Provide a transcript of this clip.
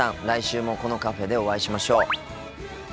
来週もこのカフェでお会いしましょう。